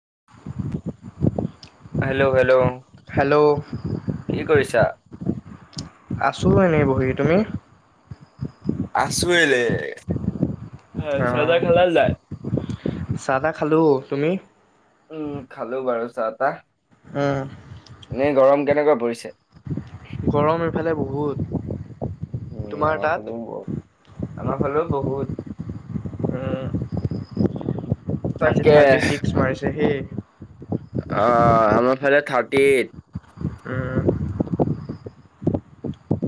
[unintelligible] Hello, hello, hello কি কৰিছা? আছো এনেই বহি। তুমি? আছো এনে। হয় অ চাহ তা খালা নাই? চাহ তাহ খালো তুমি উম খালো বাৰু চাহ তাহ। উম এনে গৰম কেনেকা পৰিছে? গৰম এইফালে বহুত। উম তোমাৰ আমাৰ তাত ফালেও আমাৰ ফালেও বহুত। উম। আজি তাকে, থাৰ্টি ছিক্স মাৰিছে হেই অ আমাৰ ফালে থাৰ- তি উম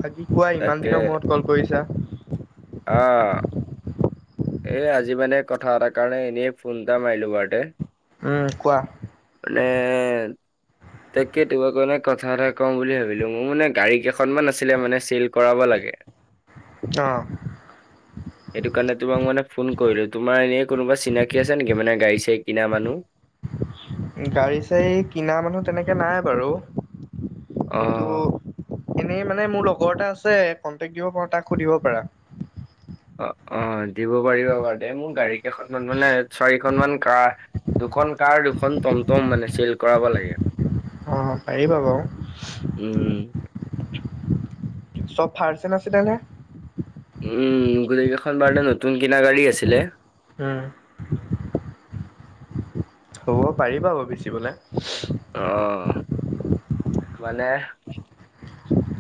বাকি কোৱা ইমান তাকে দিনৰ মূৰত কল কৰিছা। অ। এ আজি মানে কথা এটাৰ কাৰণে এনেই ফোন এটা মাৰিলো বাৰতে। উম কোৱা। [unintelligible] তাকে তোমাৰ কাৰণে কথা এ কম বুলি ভাবিলো, মোৰ মানে গাড়ী কেইখনমান আছিলে মানে চেল কৰাব লাগে। [unintelligible] অ। সেইটো কাৰণে তোমাক মানে ফোন কৰিলো। তোমাৰ এনেই কোনোবা চিনাকি আছে নেকি মে গাড়ী চাৰি কিনা মানুহ? গাড়ী চাৰী কিনা মানুহ তেনেকে নাই বাৰু, অ কিন্তু, এনেই মানে মোৰ লগৰ এটা আছে কন্টেক্ট দিব পাৰো তাক সুধিব পাৰা। অ অ দিব পাৰিবা বাৰু দেই। মোৰ গাড়ী কেইখনমান মানে চাৰিখন মান কাৰ দুখন কাৰ দুখন টমটম মানে চেল কৰাব লাগে। অ পাৰিবা উম বাৰু চব ফাৰ্চেন আছিল নে! উম গোটেই কেইখন বাৰনা নতুন কিনা গাড়ী আছিলে। উম হ'ব পাৰিবা বাৰু বেচিবলে। অহ মানে?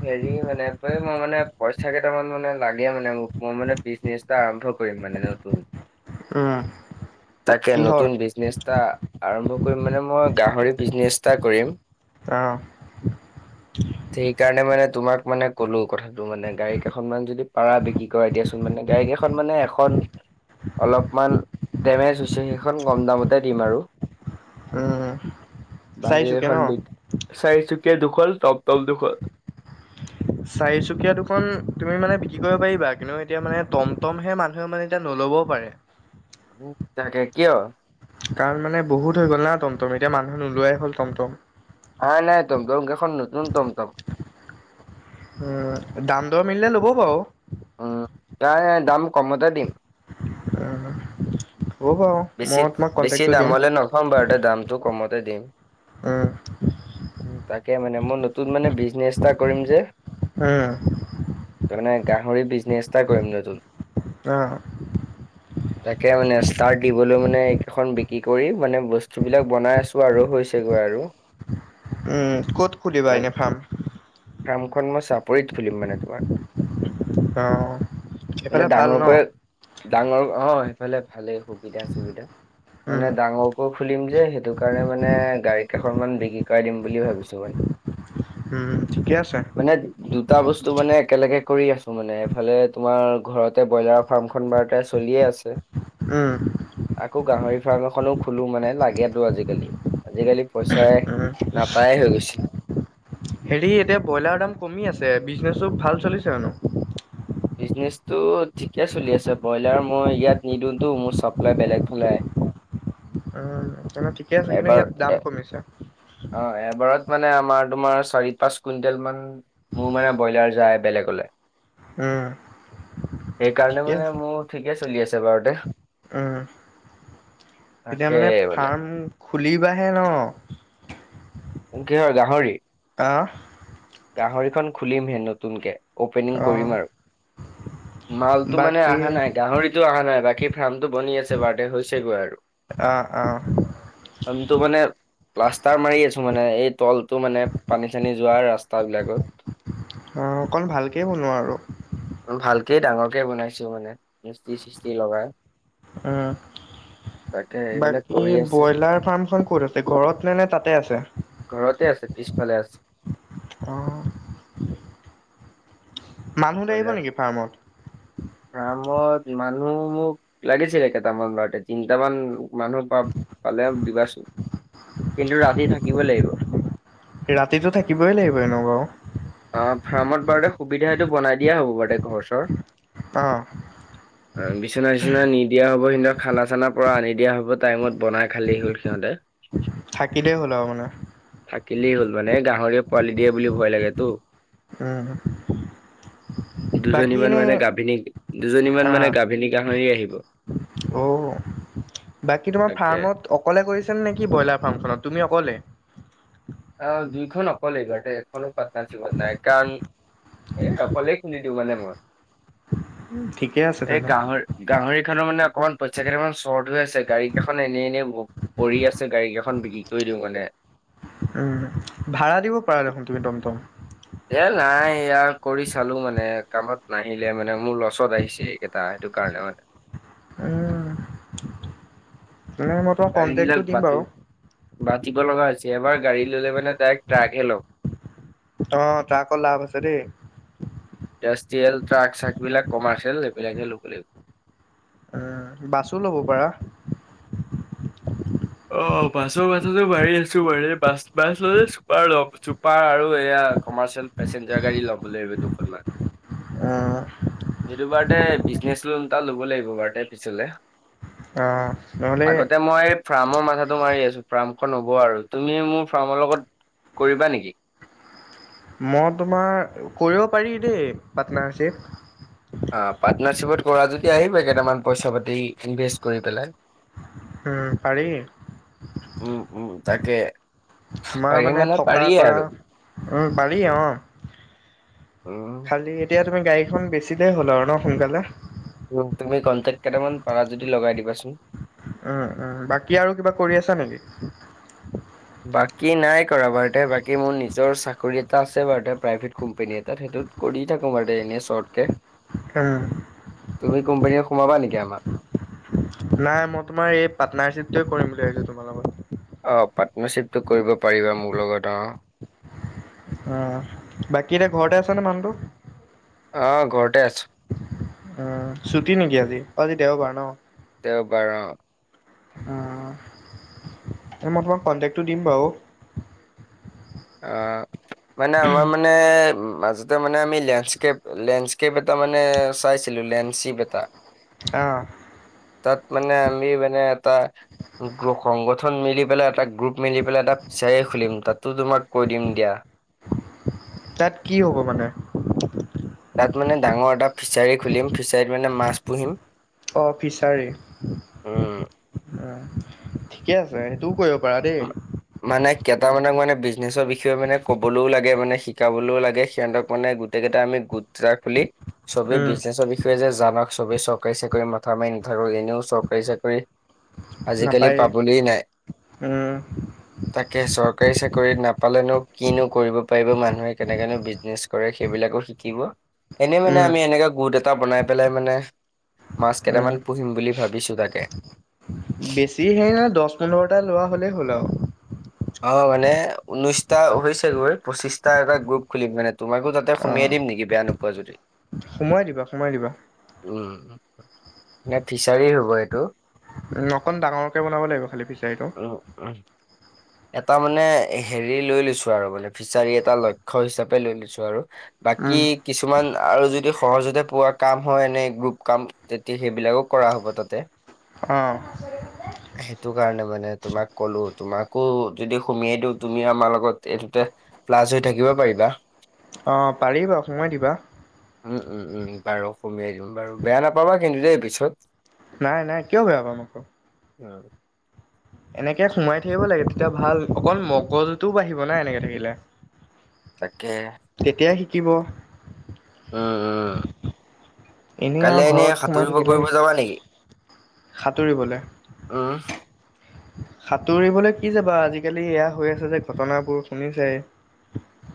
হেৰি মানে মই মানে পইচা কেইটামান মানে লাগে মানে মোক মই মানে বিছনেচটা আৰম্ভ- কৰিম মানে নতুন উম তাকে কিহৰ নতুন বিজনেচ এটা আৰম্ভ কৰিম মানে মই গাহৰি বিজনেচ এটা কৰিম। অ। সেইকাৰণে মানে তোমাক মানে ক'লো কথাটো মানে গাড়ী কেইখন মান যদি পাৰা বিক্ৰী কৰাই দিয়া মানে গাড়ীকেইখন মানে এখন অলপমান ডেমেজ হৈছে সেইখন কম দামতে দিম আৰু। উম। বাকী চাৰিচুকীয়া ন? এখন বিকি চাৰি চকীয়া দুখন টম টম দুখন। চাৰিচুকীয়া দুখন তুমি মানে বিক্ৰী কৰিব পাৰিবা কিন্তু এতিয়া মানে টমটমহে মানুহে মানে এতিয়া নল ল'ব পাৰে তাকে কিয়? কাৰণ মানে বহুত হৈ গ'ল না টমটম এতিয়া মানুহে নোলোৱাই হ'ল টমটম। নাই নাই টমটম কেইখন নতুন টমটম উম দাম দৰ মিলিলে ল'ব বাৰু উম তাই দাম কমতে দিম। অ। বেছি দামলৈ নথম বাৰুতে দামটো কমতে দিম। উম, উ তাকে মানে মই নতুন মানে বিজনেচ এটা কৰিম যে। উম মানে গাহৰি বিজনেছ এটা কৰিম নতুন অ', তাকে মানে ইচতাৰত গলোঁ মানে এইকেইখন বিক্ৰী কৰি মানে বস্তুবিলাক বনাই আছোঁ আৰু হৈছে গৈ আৰু। উম ক'ত খুলিবা মানে এনে ফাৰ্ম? ফাৰ্মখন মই চাপৰিত খুলিম মানে তোমাৰ। অ', মানে এইফালে ভাল ন? ডাঙৰকৈ ডাঙৰ অ সেইফালে ভালেই। সুবিধা চুবিধা উম, মানে ডাঙৰকৈ খুলিম যে সেইটো কাৰণে মানে গাড়ী দুখন মান বিক্ৰী কৰাাই দিম বুলিও ভাবিছোঁ মানে। উম ঠিকে আছে। মানে দুটা বস্তু মানে একেলগে কৰি আছোঁ মানে এফালে তোমাৰ ঘৰতে ব্ৰইলাৰৰ ফাৰ্মখন বাৰতে চলিয়ে। আছে উম, আকৌ গাহৰি ফাৰ্ম এখনো খোলো মানে লাগেতো আজিকালি। আজিকালি পইচা উম, নাপায়ে হৈ গৈছিলোঁ। হেৰি এতিয়া ব্ৰইলাৰ দাম কমি আছে বিজনেচো ভাল চলিছেনো? বিজনেছটো ঠিকে চলি আছে ব্ৰইলাৰ মই ইয়াত নিদিওঁতো মোৰ চাপ্লাই বেলেগ ফালে। [inaudible] উম তেনে ঠিকে আছে কিন্তু এবাৰ ইয়াত দাম এ কমিছে। অ এবাৰত মানে আমাৰ তোমাৰ চাৰি পাঁচ কুইণ্টেল মান মোৰ মানে ব্ৰইলাৰ যায়। বেলেগলে উম, সেইকাৰণে ঠিকে মানে আছে। মোৰ ঠিকে চলি আছে বাৰতে। উম। এতিয়া মানে ফাৰ্ম খুলিবাহে ন অং কিহৰ গাহৰি? অ গাহৰিখন খুলিমহে নতুনকৈ অ'পেনিং কৰিম অ'। আৰু। মালটো মানে বাকী আহা নাই গাহৰিতটো আহা নাই বাকী ফাৰ্মটো বনি আছে বাৰডে হৈছেগৈ আৰু। অ অ' আমিটো মানে প্লাষ্টাৰ মাৰি আছো মানে, এই তলটো মানে পানী-চানী য অকণ ভালকেই বনোৱা আৰু কেই, ডাঙৰকে বনাইছো মানে মিষ্টি-চিষ্টি লগাই। তাকে উম' এইবিলাক বাকী কৰি আছে ব্ৰইলাৰ ফাৰ্মখন ক'ত আছে, ঘৰত নে নে তাত ঘৰতে আছে, পিছফালে আছে। অ'। মানুহ লাগিব নেকি ফাৰ্মত। অ' অ' মানুহ মোক লাগিছিলে কেইটামান, তিটামান মানুহ পা পালে দিবাচোন, কিন্তু ৰাতি থাকিব লাগিব। ৰাতিটো থাকিবই লাগিব এনেও বাৰু। অ' ফাৰ্মত বাৰু সুবিধা এই টো বনাই দিয়া হ'ব বাৰু দে ঘৰ-চৰ। অ', বিচনা-চিচনা নি দিয়া হ'ব সিদিনা খানা-চানা পৰা আনি দিয়া হ'ব, টাইমত বনাই খালে হ'ল সিহঁতে। থাকিলেই হ'ল আৰু মানে। থাকিলেই হ'ল মানে, গাহৰি য়ে পোৱালি দিয়ে বুলি ভয় লাগে তো। উম' বাকী দুজনীমান এনে মানে গাভিনী, দুজনী মান মানে অ', গাভিনী গাহৰি আহিব। অ' বাকী তোমাৰ তাকে ফাৰ্মত অকলে কৰিছা নেকি, ব্ৰইলাৰ ফাৰ্মখনত তুমি অকলে? অ' দুইখন অকলেই ঘৰতে এখনো পাৰ্টনাৰ চিৱত নাই কাৰণ, এ অকলেই খোলিছো। মানে মই, ঠিকে আছে এই তেনে গাহৰি গাহৰি খনৰ মানে অকমান পইচা কেইটামান চৰ্ট হৈ আছে, গাড়ী খন এনে এনে পৰি আছে, গাড়ী কেইখন বিক্ৰী কৰি দিওঁ মানে। উম' ভাড়া দিব পাৰা দেখোন তুমি টমটম। এ নাই, এয়া কৰি চালো মানে কামত নাহিলে মানে মোৰ লছত আহিছে এই কেইটা সেইটো কাৰণে উম তেনে মই তোমাক গাড়ী কণ্টেক্টটো বিলাক দিম বাতি, বাৰু বাতিব লগা হৈছে এবাৰ গাড়ী ললে মানে ডাইৰেক্ট ট্ৰাকহে লম। অহ' ট্ৰাকত লাভ আছে দেই। ইণ্ডাষ্ট্ৰিয়েল ট্ৰাক-চাক বিলাক কমাৰ্চিয়েল এইবিলাকে ল'ব লাগিব। উম' বাছো ল'ব পাৰা? অ' বাছৰ মাথাটো মাৰি আছো মানে, বাছ বাছ ল'লে চুপাৰ লম। চুপাৰ আৰু এয়া কমাৰ্চিয়েল পেচেঞ্জাৰ গাড়ী ল'ব লাগিব দুখনমান। অঁ সেইটো বাৰতে বিজনেচ লোন এটা ল'ব লাগিব বাৰু পিছলে আহ নহ'লে ফ্ৰাৰ্মৰ মাথাটো মাৰি আছো। ফ্ৰা হ'ব আৰু তুমি মোৰ ফাৰ্মৰ লগত কৰিবা নেকি? মই তোমাৰ কৰিব পাৰি দেই পাৰ্টনাৰশ্বিপ। অ' পাৰ্টনাৰশ্বিপত কৰা যদি আহিব কেইটামান পইচা-পাতি ইনভেষ্ট কৰি পেলাই্ উম পাৰি উম' উম' তাকে তোমাৰ পাৰি মানে থকা পাৰিয়ে কৰা, আৰু উ পাৰি অ' উম, খালি এতিয়া তুমি গাড়ীখন বেচিলেই হ'ল আৰু ন সোনকালে। তুমি কনটেক্ট কেইটামান পাৰা যদি লগাই দিবাচোন। উম উম' বাকী আৰু কিবা কৰি আছা নেকি? বাকী নাই কৰা বাৰু তে বাকী মোৰ নিজৰ চাকৰি এটা আছে বাৰু প্ৰাইভেট কোম্পানী এটাত, সেইটোত কৰি দি থাকো বাদে এনে শ্বৰ্তকে হম' তুমি কোম্পানীয়ে সোমাবা নেকি আমাক? নাই মই তোমাৰ এই পাৰ্টনাৰশ্বিপটোৱে কৰিম বুলি ভাবিছো তোমাৰ লগত। অঁ পাৰ্টনাৰশ্বিপটো কৰিব পাৰিবা মোৰ লগত অ। অ' বাকী এতিয়া ঘৰতে আছেনে মানুহ টো? অ ঘৰতে আছো উম ছুটি নেকি আজি অ আজি দেওবাৰ ন দেওঁ বাৰ অ অ এই মই তোমাক কণ্টেকটটো দিম বাৰু অ মানে আমাৰ মানে মাজতে মানে আমি লেণ্স্কেপ লেণ্স্কেপ এটা মানে চাইছিলো লেঞ্চিপ এটা। আহ তাত মানে আমি মানে এটা সংগঠন মিলি পেলাই এটা গ্ৰুপ মিলি পেলাই এটা ফিচাৰি খুলিম তাতো তোমাক কৰি দিম দিয়া তাত কি হ'ব মানে তাত মানে ডাঙৰ এটা ফিছাৰী খুলিম ফিছাৰীত মানে মাছ পুহিম অ ফিচাৰী উম। ঠিকে আছে হেতু কৰিব কৰা দেই মানে কেইটামানক মানে বিজনেছৰ বিষয়ে মানে ক'বলৈও লাগে মানে শিকাবলৈও লাগে সিহঁতক মানে গোটেই কেইটা আমি গোটটা খুলি চবেই উম, বিজনেছৰ বিষয়ে যে জানক চবেই চৰকাৰী চাকৰি মাথা মাৰি নাথাকো এনেও চৰকাৰী চাকৰি আজিকালি নাপায়েই পাবলৈ নাই উম, তাকে চৰকাৰী চাকৰিত নাপ পালেনো কিনো কৰিব পাৰিব মানুহে কেনেকনো বিজনেচ কৰে সেইবিলাকো শিকিব এনে মানে উম, আমি এনেকা গোট এটা বনাই পেলাই মানে মাছ উম, কেইটামান পুহিম বুলি ভাবিছোঁ তাকে বেছি হেৰি নাই দহ পোন্ধৰটা লোৱা হ'লেই হ'ল আৰু অ মানে ঊনৈশটা হৈছে গৈ পঁচিশটা এটা গ্ৰুপ খুলিম মানে তোমাকো তাতে সমিয়াই অ', দিম নেকি বেয়া নোপোৱা যদি সোমোৱাই দিবা সোমোৱাই দিবা উম উ নে ফিচাৰীৰ হব এইটো অকণ ডাঙৰকৈ বনাব লাগিব খালী ফিচাৰীটো উম উম এটা মানে হেৰি লৈ লৈছো আৰু মানে ফিচাৰী এটা লক্ষ্য হিচাপে লৈ লৈছো আৰু বাকী উম, কিছুমান আৰু যদি সৰহজতে পোৱা কাম হয় এনে গ্ৰুপ কাম তেতি সেইবিলাকো কৰা হ'ব তাতে অ', সেইটো কাৰণে মানে তোমাক কলো তোমাক আকৌ যদি সুমিয়াই দিওঁ তুমি আমাৰ লগত এইটোতে প্লাছ হৈ থাকিব পাৰিবা অ পাৰিবা সোমাই দিবা উম উম উম বাৰু সমিয়াই দিম বাৰু বেয়া নাপাবা কিন্তু দেই পিছত নাই নাই কিয় বেয়া পাম আকৌ উ এনেকে সোমাই থাকিব লাগে তেতিয়া ভাল অকল মগজুতও বাঢ়িব না এনেকে থাকিলে তাকে তেতিয়া শিকিব উম উম এনেই আৰু কাইলে এনে সাঁতুৰিব কৰিব যাবা নেকি সাঁতুৰিবলৈ উম। সাঁতুৰিবলৈ কি যাবা আজিকালি এয়া হৈ আছে যে ঘটনাবোৰ শুনিছে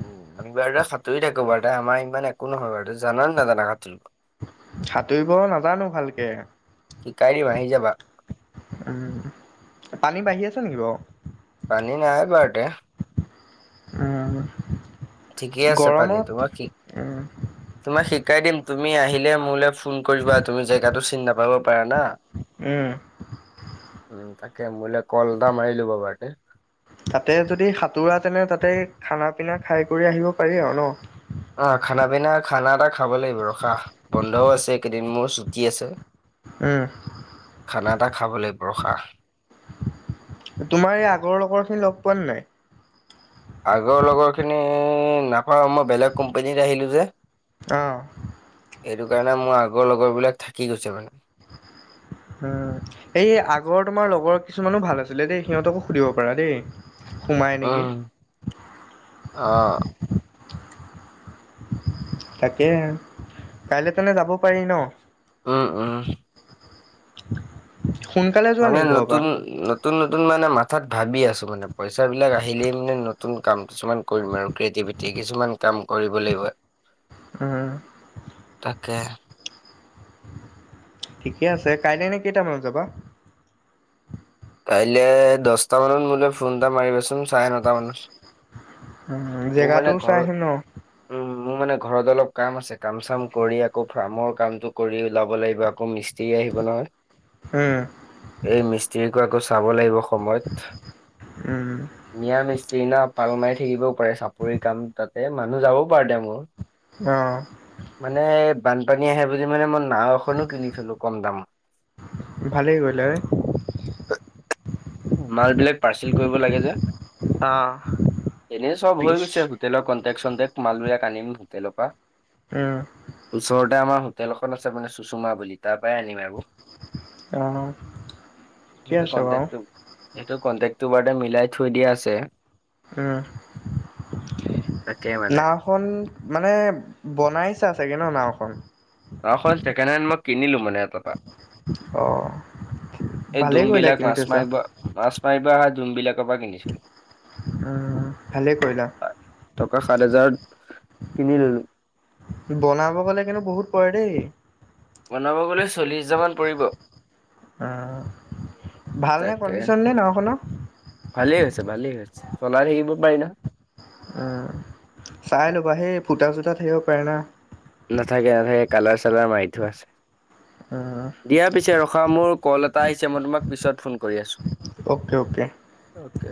উ আমি বাৰু ত সাঁতুৰি থাকো বাৰু তাই আমাৰ ইমান একো নহয় বাৰু জান নে নাজানা সাঁতৰিব সাঁতুৰিব নাজানো ভালকে শিকাই দিম আহি যাবা উম পানী বাঢ়ি আছে নেকি বাৰু পানী নাই বাৰতে আহ ঠিকে আছে পানী তোমাক উম তোমাক শিকাই দিম তুমি আহিলে মোলে ফো ফোন কৰিবা তুমি জেগাতটো চিনি নাপাব পাৰা না উম এতিয়া মোলে কল এটা মাৰি লবা গে তাতে যদি সাঁতোৰা তেনে তাতে খানা পিনা খাই কৰি আহিব পাৰি আৰু ন আহ খানা পিনা খানা এটা খাব লাগিব ৰখা বন্ধও আছে কেইদিন মোৰ ছুটি আছে উম খানা এটা খাব লাগিব ৰখা তোমাৰ এই আগৰ লগৰ খিনি লগ পোৱা নাই‌? আগৰ লগৰখিনি নাপাওঁ মই বেলেগ কোম্পনীত আহিলো যে আহ সেইটো কাৰণে মোৰ আগৰ লগৰ বিলাক থাকি গৈছে মানে উম এই আগৰ তোমাৰ লগৰ কিছুমানো ভাল আছিলে দেই সিহঁতকো সুধিব পাৰা দেই সোমাই নেকি উম আহ তাকে কাইলে তেনে যাব পাৰি ন উম উম। [inaudible] যোৱা মানে নেকি ঘৰৰ পৰা নতুন নতুন নতুন মানে মা তাত ভাবি আছো মানে পইচা বিলাক আহিলেই মানে নতুন কাম কিছুমান কৰিম আৰু ক্ৰিয়েটিভিটি কিছুমান কাম [unintelligible] কাম কৰিব লাগিব উম তাকে ঠিকে আছে কাইলে এনে কেইটামানত যাবা কাইলৈ দশটা মানত মোলৈ ফোন এটা মাৰিবাচোন ছাৰে নটা মানত উম মোৰ মানে জেগাটোও ঘৰ চাই আহিম ন উম মোৰ মানে ঘৰত অলপ কাম আছে কাম চাম কৰি আকৌ ফাৰ্মৰ কামটো কৰি ওলাব লাগিব আকৌ মিস্ত্ৰী মিস্ত্ৰী আহিব নহয় উম এই মিস্ত্ৰীকো আকৌ চাব লাগিব সময়ত উম মিয়া মিস্ত্ৰী সি না পাল মাৰি থাকিবও পাৰে চাপৰি কাম তাতে মানুহ যাবও পাৰে দে মোৰ অ মানে বানপানী আহে বুলি মানে মন নাও এখনো কিনি থলো কম দাম ভালেই কৰিলা মাল বিলাক পাৰ্চেল কৰিব লাগে যে অ এনেই চব হৈ পিছ গৈছে হোটেলৰ ক ণ্টেক চন্টেক মালবিলাক আনিম হোটেলৰ পৰা উম ওচৰতে আমাৰ হোটেল এখন আছে মানে সুষুমা বুলি তাত পাই আনিম আৰু অ ঠিকে সেইটো আছে বাৰু কন্টেকটো এইটো কণ্টেক্টটো বাৰু মিচলাই থৈ দিয়া আছে উম তাকে মানে নাওখন মানে বনাইছা চাগে ন নাওখন নাওখন ছেকেণ্ড হেণ্ড মই কিনিলো মানে এটাৰ পৰা। আহ এই ডুম বিলাক মাছ মাৰিব মাছ মাৰিব আহে সেতঁৰ পৰা কিনিছিলোঁ উম ভালেই কৰিলা টকা সাত হাজাৰত কিনিললো বনাব গ'লে কিন্তু বহুত পৰে দেই বনাব গলে চল্লিশ হাজাৰ মান পৰিব আহ ভালনে তাকে কণ্ডিচন নে নাওখনৰ? ভালেই হৈছে ভালেই হৈছে চলাই শিকিব পাৰি নে? উম চাই ল'বা সেই ফুটা চুটা থকিব পাৰে না। নাথাকে নাথাকে কালাৰ চালাৰ মাৰি থোৱা আছে দিয়া পিছে ৰখা মোৰ কল এটা আহিছে মই তোমাক পিছত ফোন কৰি আছো অকে অকে অকে অকে